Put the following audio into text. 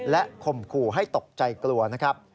และข่มขู่ให้ตกใจกลัวนะครับ